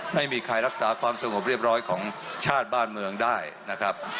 ไม่มีใครรักษาความสงบเรียบร้อยของชาติบ้านเมืองได้นะครับ